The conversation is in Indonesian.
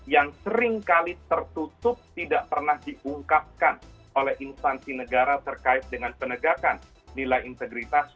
yang seringkali tertutup tidak pernah diungkapkan oleh instansi negara terkait dengan penegakan nilai integritas